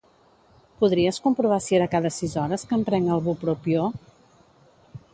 Podries comprovar si era cada sis hores que em prenc el bupropió?